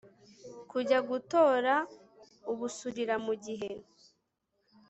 kujya gutora ubusurira mugihe